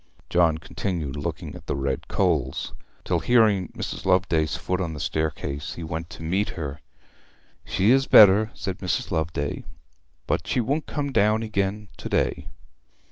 John continued looking at the red coals, till hearing Mrs. Loveday's foot on the staircase, he went to meet her. 'She is better,' said Mrs. Loveday; 'but she won't come down again to day.'